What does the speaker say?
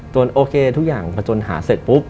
โอเคทุกอย่างพอจนหาเสร็จปุ๊บ